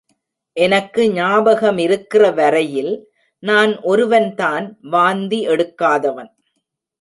எனக்கு ஞாபகமிருக்கிற வரையில் நான் ஒருவன்தான் வாந்தி எடுக்காதவன்.